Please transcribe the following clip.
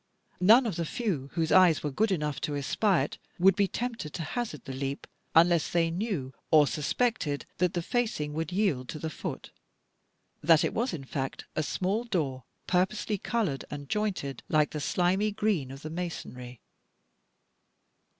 None, of the few whose eyes were good enough to espy it, would be tempted to hazard the leap, unless they knew or suspected that the facing would yield to the foot, that it was in fact a small door purposely coloured and jointed like the slimy green of the masonry.